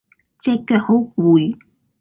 隻腳好攰